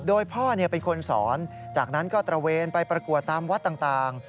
โดยพ่อเป็นคนสอนจากนั้นก็ตระเวนไปประกวดตามวัดต่าง